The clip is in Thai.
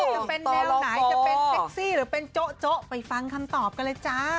จะเป็นแนวไหนจะเป็นเซ็กซี่หรือเป็นโจ๊ะไปฟังคำตอบกันเลยจ้า